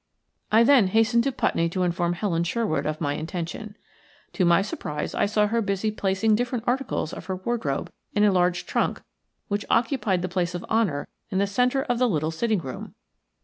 I then hastened to Putney to inform Helen Sherwood of my intention. To my surprise I saw her busy placing different articles of her wardrobe in a large trunk which occupied the place of honour in the centre of the little sitting room.